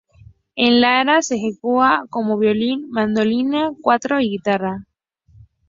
En Lara se ejecuta con violín, mandolina, cuatro y guitarra.